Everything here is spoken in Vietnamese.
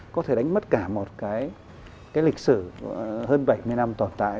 có thể đánh mất cả một cái lịch sử hơn bảy mươi năm tồn tại